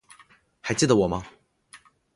还记得我吗？